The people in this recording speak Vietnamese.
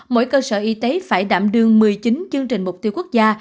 mỗi cơ sở y tế phải đảm đương một mươi chín chương trình mục tiêu quốc gia